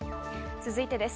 続いてです。